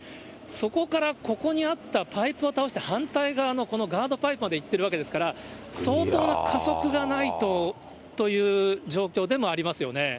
そこから、ここにあったパイプを倒して、反対側のこのガードパイプまで行ってるわけですから、相当な加速がないと、という状況でもありますよね。